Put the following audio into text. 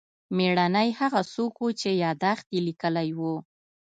مېړنی هغه څوک و چې یادښت یې لیکلی و.